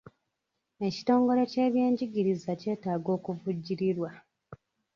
Ekitongole ky'ebyenjigiriza kyetaaga okuvujjirirwa.